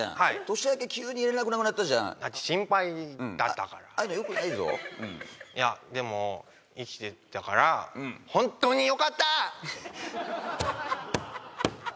年明け急に連絡なくなったじゃんだって心配だったからうんああいうのよくないぞいやでも生きてたからホントによかった！